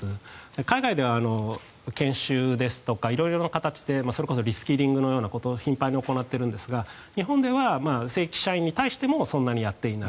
海外では研修ですとか色々な形で、それこそリスキリングのようなことを頻繁に行っているんですが日本では正規社員に対してもそんなにやっていない。